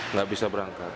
nggak bisa berangkat